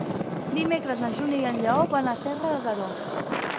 Dimecres na Júlia i en Lleó van a Serra de Daró.